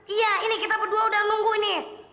iya ini kita berdua udah nunggu ini